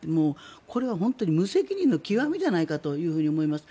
これは本当に無責任の極みじゃないかと思います。